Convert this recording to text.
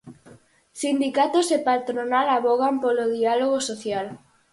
Sindicatos e patronal avogan polo diálogo social.